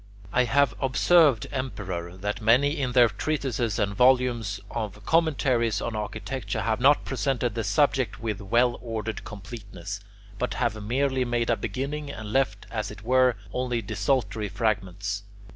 I have observed, Emperor, that many in their treatises and volumes of commentaries on architecture have not presented the subject with well ordered completeness, but have merely made a beginning and left, as it were, only desultory fragments.